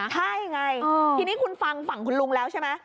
ใช่ไงทีนี้คุณฟังฝั่งคุณลุงแล้วใช่ไหม